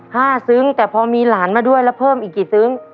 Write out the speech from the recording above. ซึ้งแต่พอมีหลานมาด้วยแล้วเพิ่มอีกกี่ซึ้ง